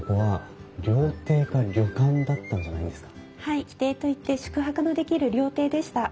はい旗亭といって宿泊のできる料亭でした。